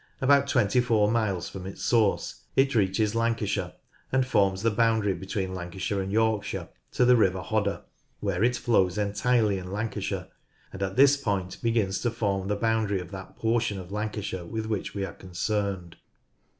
About 24 miles from its source it reaches Lancashire and forms the boundary between Lancashire and Yorkshire to the river Hodder, where it flows entirely in Lancashire, and at this point begins to form the boundary of that portion of Lancashire with which we are concerned.